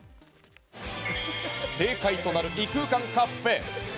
正解となる異空間カフェ